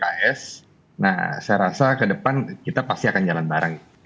nah saya rasa ke depan kita pasti akan jalan bareng